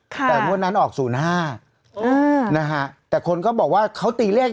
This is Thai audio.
แต่งวดนั้นออก๐๕นะคะ